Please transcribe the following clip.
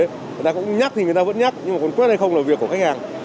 người ta cũng nhắc thì người ta vẫn nhắc nhưng mà còn quét hay không là việc của khách hàng